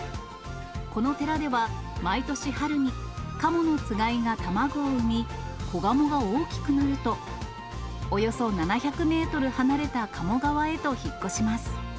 この寺では、毎年春にカモのつがいが卵を産み、子ガモが大きくなると、およそ７００メートル離れた鴨川へと引っ越します。